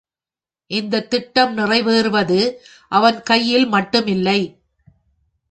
இந்தத் திட்டம் நிறைவேறுவது அவன் கையில் மட்டுமில்லை.